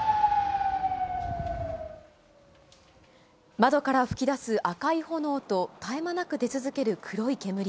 窓から噴き出す赤い炎と、絶え間なく出続ける黒い煙。